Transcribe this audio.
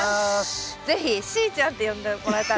是非しーちゃんって呼んでもらえたら。